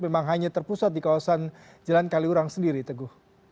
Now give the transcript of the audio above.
memang hanya terpusat di kawasan jalan kaliurang sendiri teguh